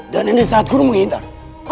dan ini saat guru menghindar